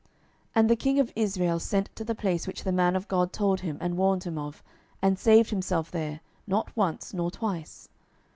12:006:010 And the king of Israel sent to the place which the man of God told him and warned him of, and saved himself there, not once nor twice.